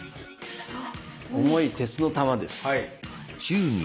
重い鉄の球です。